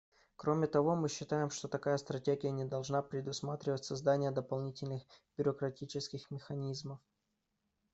Кроме того, мы считаем, что такая стратегия не должна предусматривать создание дополнительных бюрократических механизмов.